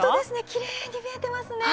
きれいに見えてますね。